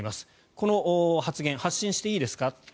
この発言、発信していいですか？